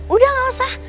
udah gak usah